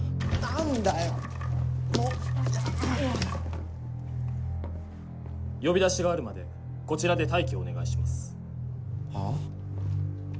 やめろよ呼び出しがあるまでこちらで待機をお願いしますはあ？